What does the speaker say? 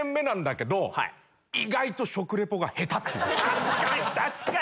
確かに確かに！